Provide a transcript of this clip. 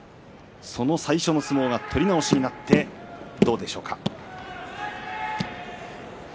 その最初の相撲が取り直しになって、どうでしょうか。